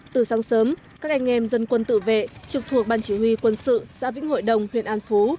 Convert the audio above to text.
từ sáng sớm các anh em dân quân tự vệ trực thuộc ban chỉ huy quân sự xã vĩnh hội đồng huyện an phú